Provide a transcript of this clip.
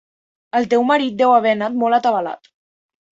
El teu marit deu haver anat molt atabalat.